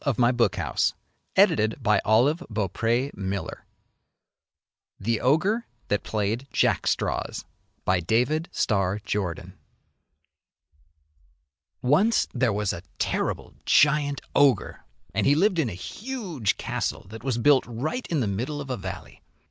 173 MY BOOK HOUSE i THE OGRE THAT PLAYED JACKSTRAWS David Starr Jordan Once there was a terrible giant ogre, and he lived in a huge castle that was built right in the middle of a valley.